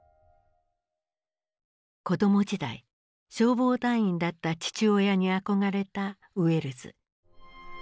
子ども時代消防団員だった父親に憧れたウェルズ。